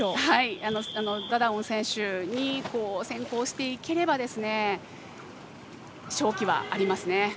ダダオン選手に先行していければ勝機はありますね。